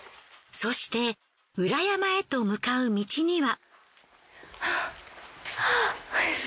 そして裏山へと向かう道には。